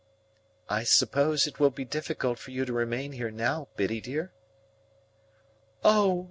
"I suppose it will be difficult for you to remain here now, Biddy dear?" "Oh!